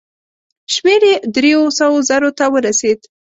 شمېر یې دریو سوو زرو ته ورسېد.